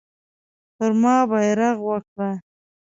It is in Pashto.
پر ما برغ وکړه.